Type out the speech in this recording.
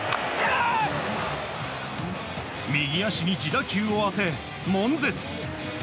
右足に自打球を当て悶絶。